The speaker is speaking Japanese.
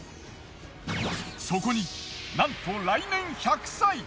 そこになんと来年１００歳！